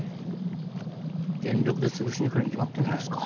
全力で潰しにくるに決まってんじゃないっすか。